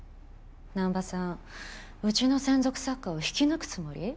南波さんうちの専属作家を引き抜くつもり？